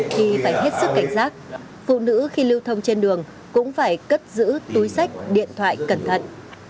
khi phải hết sức cảnh giác phụ nữ khi lưu thông trên đường cũng phải cất giữ túi sách điện thoại cẩn thận